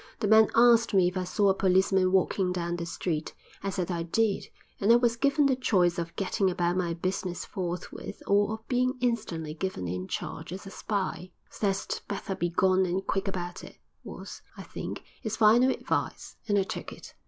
The man asked me if I saw a policeman walking down the street. I said I did, and I was given the choice of getting about my business forthwith or of being instantly given in charge as a spy. "Th'ast better be gone and quick about it," was, I think, his final advice, and I took it.